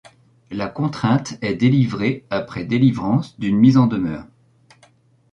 La contrainte est délivrée après délivrance d'une mise en demeure.